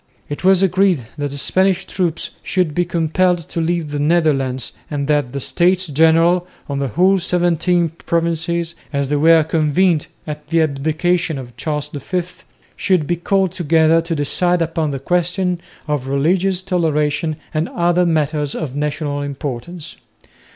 It was agreed that the Spanish troops should be compelled to leave the Netherlands and that the States General of the whole seventeen provinces, as they were convened at the abdication of Charles V, should be called together to decide upon the question of religious toleration and other matters of national importance.